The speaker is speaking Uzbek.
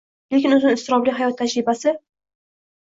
lekin uzun iztirobli hayot tajribasi